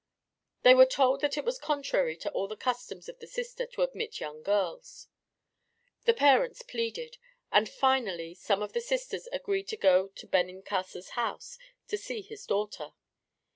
They were told that it was contrary to all the customs of the Sisters to admit young girls. The parents pleaded, and finally some of the Sisters agreed to go to Benincasa's house to see his daughter.